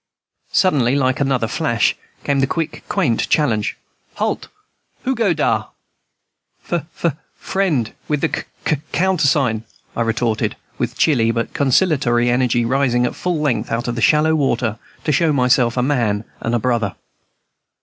Suddenly, like another flash, came the quick, quaint challenge, "Halt! Who's go dar?" "F f friend with the c c countersign," retorted I, with chilly, but conciliatory energy, rising at full length out of the shallow water, to show myself a man and a brother.